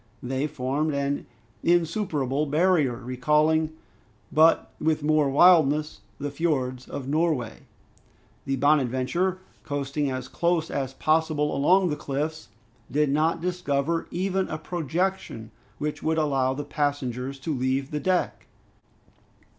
They formed an insuperable barrier, recalling, but with more wildness, the fiords of Norway. The "Bonadventure," coasting as close as possible along the cliffs, did not discover even a projection which would allow the passengers to leave the deck.